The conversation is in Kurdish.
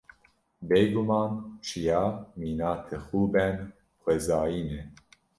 Bêguman çiya mîna tixûbên xwezayî ne.